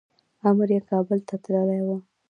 امر یې کابل ته تللی و.